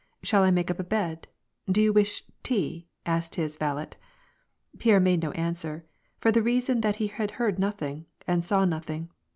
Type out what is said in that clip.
Shall I make up a bed ? do you wish tea ?" asked his valet. Pierre made no answer, for the reason that he heard noth ing, and saw nothing.